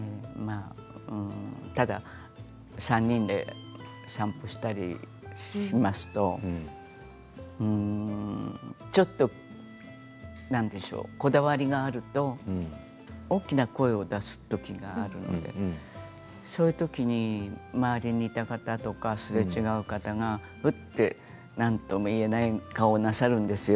ただ３人で散歩したりしますとちょっと何でしょうこだわりがあると大きな声を出すときがあるのでそういうときに周りにいた方とかすれ違う方がうっと、なんとも言えない顔をなさるんですよ。